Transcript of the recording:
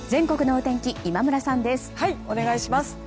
お願いします。